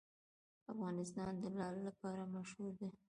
افغانستان د لعل لپاره مشهور دی.